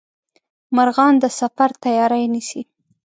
مرغان د سفر تیاري نیسي